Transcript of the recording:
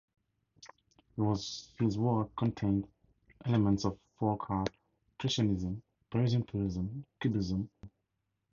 His work contained elements of folk art, precisionism, Parisian Purism, Cubism, and Surrealism.